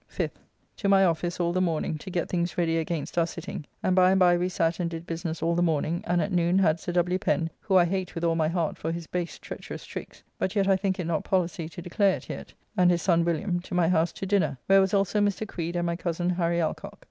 5th. To my office all the morning, to get things ready against our sitting, and by and by we sat and did business all the morning, and at noon had Sir W. Pen, who I hate with all my heart for his base treacherous tricks, but yet I think it not policy to declare it yet, and his son William, to my house to dinner, where was also Mr. Creed and my cozen Harry Alcocke.